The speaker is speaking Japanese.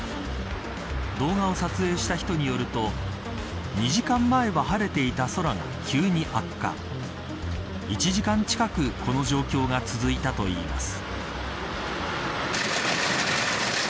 動画を撮影した人によると２時間前は晴れていた空が急に悪化１時間近くこの状況が続いたといいます。